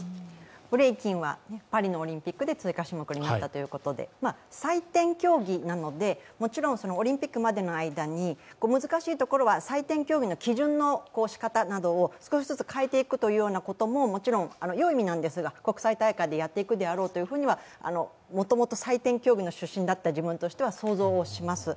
ブレイキンはパリのオリンピックで追加種目となったということで採点競技なので、もちろんオリンピックまでに難しいところは採点競技の基準の仕方などを少しずつ変えていくということももちろん、よい意味なんですが国際大会でやっていくだろうということはもともと採点競技の出身だった自分としては想像をします。